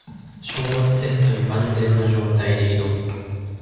章末テストに万全の状態で挑む